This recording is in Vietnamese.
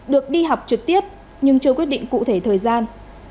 được đi học trực tiếp nhưng chưa quyết định cụ thể thời gian